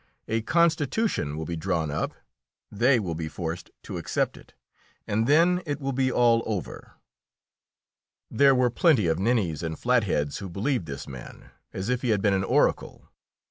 A constitution will be drawn up, they will be forced to accept it, and then it will be all over." There were plenty of ninnies and flatheads who believed this man as if he had been an oracle.